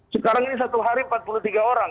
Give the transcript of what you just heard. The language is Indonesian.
sekarang ini satu hari empat puluh tiga orang